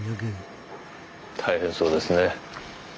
大変そうですね。